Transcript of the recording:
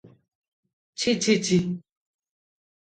ଛି, ଛି, ଛି!